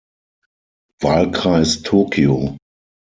Wahlkreis Tokio.